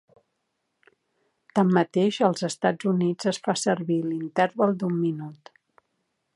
Tanmateix als Estats Units es fa servir l'interval d'un minut.